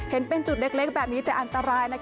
เห็นเป็นจุดเล็กแบบนี้แต่อันตรายนะคะ